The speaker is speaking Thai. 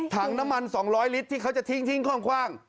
ถังน้ำมัน๒๐๐ลิตรที่เขาจะทิ้งคว่าง